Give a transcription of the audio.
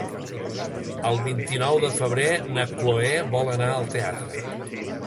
El vint-i-nou de febrer na Chloé vol anar al teatre.